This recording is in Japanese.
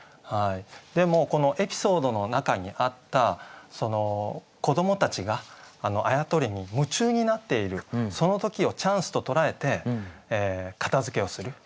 でもこのエピソードの中にあった子どもたちがあやとりに夢中になっているその時をチャンスと捉えて片づけをする。